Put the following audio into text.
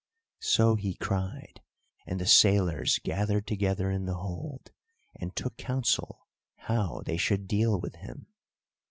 So he cried, and the sailors gathered together in the hold, and took counsel how they should deal with him.